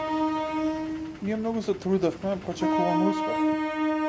Ние многу се трудевме па очекуваме успех.